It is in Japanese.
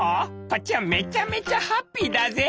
こっちはめちゃめちゃハッピーだぜ」。